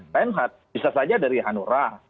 reinhardt bisa saja dari hanura